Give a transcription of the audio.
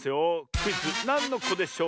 クイズ「なんのこでショー」